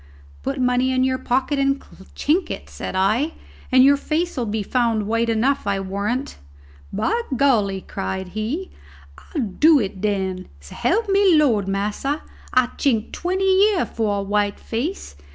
"Put money in your pocket and chink it," said I, "and your face'll be found white enough, I warrant." "By golly!" cried he, "I'll do it den. S'elp me de Lord, massa, I'd chink twenty year for a white face.